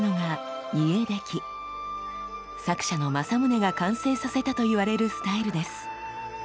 作者の正宗が完成させたといわれるスタイルです。